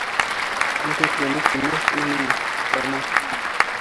—Әҙәплелек тимәҫ инем быны.